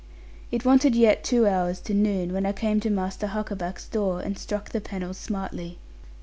It wanted yet two hours to noon, when I came to Master Huckaback's door, and struck the panels smartly.